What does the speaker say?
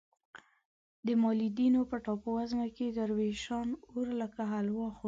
د مالدیو په ټاپوګانو کې دروېشان اور لکه حلوا خوړ.